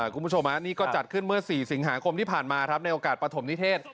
คุณผู้ชมนี่ก็จัดขึ้นเมื่อ๔สิงหาคมที่ผ่านมาครับในโอกาสปฐมนิเทศ